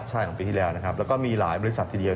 ใช่ของปีที่แล้วนะครับแล้วก็มีหลายบริษัททีเดียว